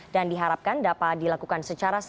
dan diharapkan dapat dilakukan secara sengaja